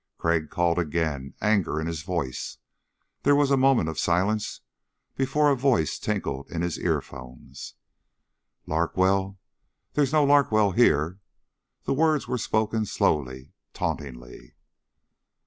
Crag called again, anger in his voice. There was a moment of silence before a voice tinkled in his earphones. "Larkwell? There's no Larkwell here." The words were spoken slowly, tauntingly.